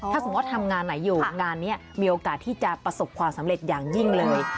ถ้าสมมุติว่าทำงานไหนอยู่งานนี้มีโอกาสที่จะประสบความสำเร็จอย่างยิ่งเลย